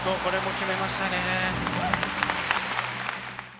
これも決めましたね。